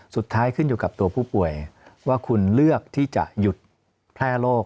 ขึ้นอยู่กับตัวผู้ป่วยว่าคุณเลือกที่จะหยุดแพร่โรค